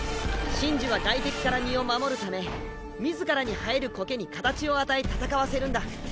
神樹は外敵から身を守るため自らに生える苔に形を与え戦わせるんだ。